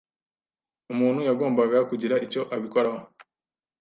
Umuntu yagombaga kugira icyo abikoraho.